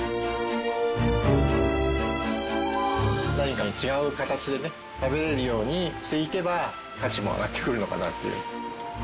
何かに違う形でね食べられるようにしていけば価値も上がってくるのかなっていう。